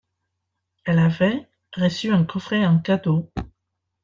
Elle avait reçu un coffret en cadeau.